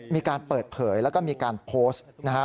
มีการเปิดเผยและมีการโพสต์